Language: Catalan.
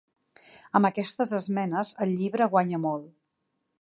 Amb aquestes esmenes, el llibre guanya molt.